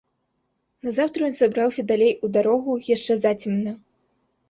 Назаўтра ён сабраўся далей у дарогу яшчэ зацемна.